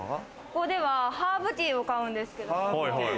ここではハーブティーを買うんですけど。